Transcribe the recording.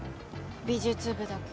美術部だけど。